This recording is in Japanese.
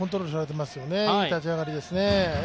いい立ち上がりですよね。